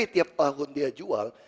tiap tahun dia jual